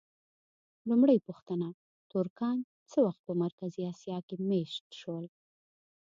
لومړۍ پوښتنه: ترکان څه وخت په مرکزي اسیا کې مېشت شول؟